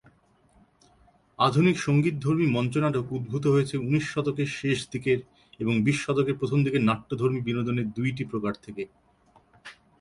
আধুনিক সঙ্গীতধর্মী মঞ্চনাটক উদ্ভূত হয়েছে উনিশ শতকের শেষ দিকের এবং বিশ শতকের প্রথম দিকের নাট্যধর্মী বিনোদনের দুইটি প্রকার থেকে।